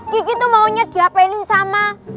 kiki tuh maunya diapelin sama